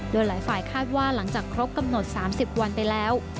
โดยหลายฝ่ายคาดว่าหลังจากครบกำหนด๓๐วันไปแล้ว